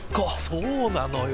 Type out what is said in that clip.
そうなのよ。